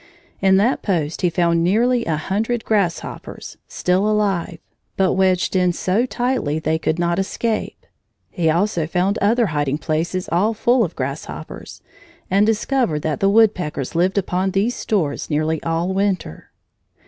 In that post he found nearly a hundred grasshoppers, still alive, but wedged in so tightly they could not escape. He also found other hiding places all full of grasshoppers, and discovered that the woodpeckers lived upon these stores nearly all winter.